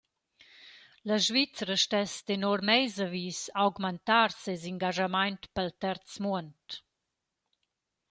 La Svizra stess tenor meis avis augmantar seis ingaschamaint pel Terz muond.